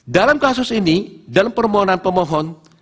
dalam kasus ini dalam permohonan pemohon